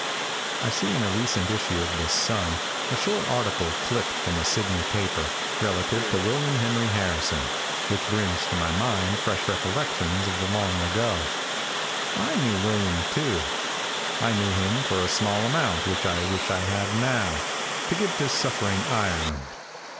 |I SEE in a recent issue of the Sun a short article clipped from a Sidney paper, relative to William Henry Harrison, which brings to my mind fresh recollections of the long ago. I knew William too. I knew him for a small amount which I wish I had now, to give to suffering Ireland.